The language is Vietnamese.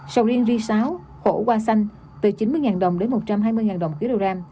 sầu riêng ri sáu khổ qua xanh từ chín mươi đồng đến một trăm hai mươi đồng một kg